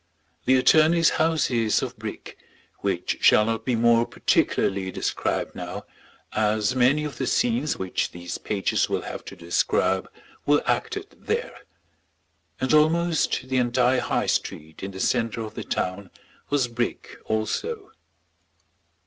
The attorney's house is of brick, which shall not be more particularly described now as many of the scenes which these pages will have to describe were acted there; and almost the entire High Street in the centre of the town was brick also.